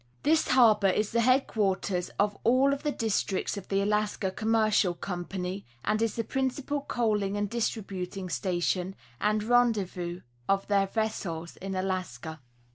This harbor is the headquarters of all of the districts of the Alaska Commercial Company, and is the principal coaling and distributing station and rendezvous of their vessels in Alaska.